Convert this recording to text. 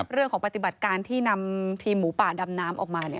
ปฏิบัติการที่นำทีมหมูป่าดำน้ำออกมา